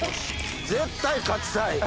絶対勝ちたい！